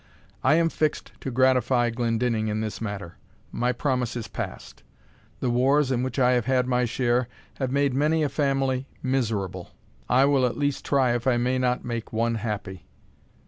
I am fixed to gratify Glendinning in this matter my promise is passed. The wars, in which I have had my share, have made many a family miserable; I will at least try if I may not make one happy.